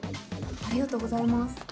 ありがとうございます。